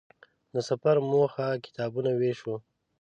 د سفر موخه کتابونو وېش و.